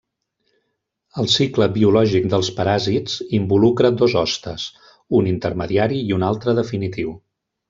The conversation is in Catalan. El cicle biològic dels paràsits involucra dos hostes, un intermediari i un altre definitiu.